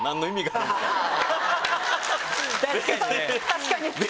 確かにね！